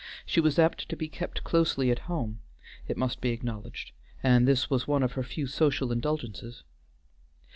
She was apt to be kept closely at home, it must be acknowledged, and this was one of her few social indulgences.